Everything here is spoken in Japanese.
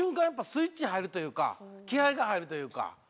スイッチ入るというか気合が入るというか。